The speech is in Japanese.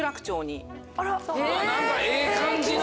何かええ感じの。